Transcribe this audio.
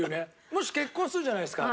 もし結婚するじゃないですか。